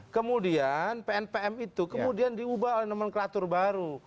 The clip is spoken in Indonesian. kemudian pnpm itu kemudian diubah oleh nomenklatur baru